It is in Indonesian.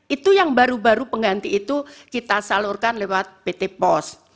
itu yang baru baru pengganti itu kita salurkan lewat pt pos